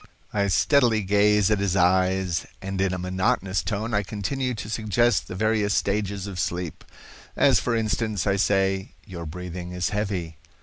I steadily gaze at his eyes, and in a monotonous tone I continue to suggest the various stages of sleep. As for instance, I say, 'Your breathing is heavy.